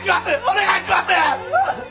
お願いします！